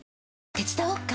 手伝おっか？